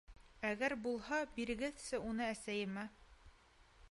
Әгәр булһа, бирегеҙсе уны әсәйемә.